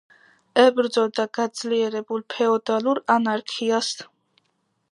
ებრძოდა გაძლიერებულ ფეოდალურ ანარქიას.